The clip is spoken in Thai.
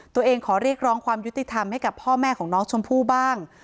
ขอเรียกร้องความยุติธรรมให้กับพ่อแม่ของน้องชมพู่บ้าง